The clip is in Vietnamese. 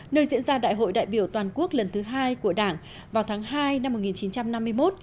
nơi diễn ra đại hội đại biểu toàn quốc lần thứ hai của đảng vào tháng hai năm một nghìn chín trăm năm mươi một